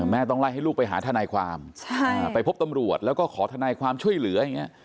ต้องไล่ให้ลูกไปหาทนายความไปพบตำรวจแล้วก็ขอทนายความช่วยเหลืออย่างนี้